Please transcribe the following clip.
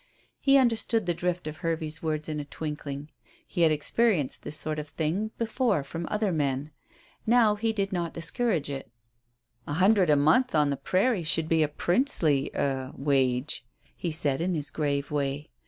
He understood the drift of Hervey's words in a twinkling. He had experienced this sort of thing before from other men. Now he did not discourage it. "A hundred a month on the prairie should be a princely er wage," he said in his grave way.